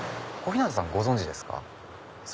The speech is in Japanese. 小日向さんご存じですか？